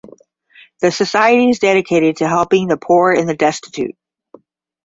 The society is dedicated to helping the poor and destitute.